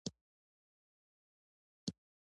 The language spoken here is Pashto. څه فورمې کاغذونه یې راوړل.